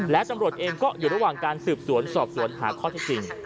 และตำรวจเองก็อยู่ระหว่างการสืบสวนสอบสวนหาข้อเท็จจริง